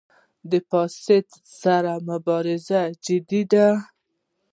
د فساد سره مبارزه جدي ده؟